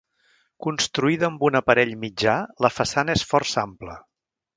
Construïda amb un aparell mitjà, la façana és força ampla.